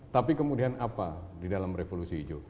tapi kemudian apa di dalam revolusi hijau